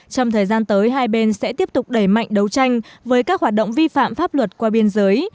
trong thời gian tới hai bên sẽ tiếp tục đẩy mạnh đấu tranh với các hoạt động vi phạm pháp luật qua biên giới